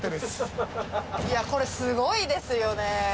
いやこれすごいですよね。